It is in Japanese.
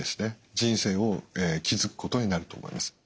人生を築くことになると思います。